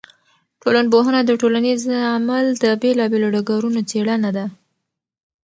ټولنپوهنه د ټولنیز عمل د بېلا بېلو ډګرونو څېړنه ده.